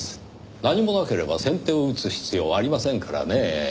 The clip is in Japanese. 何もなければ先手を打つ必要ありませんからねぇ。